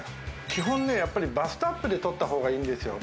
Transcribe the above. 基本ね、やっぱりバストアップで撮ったほうがいいんですよ。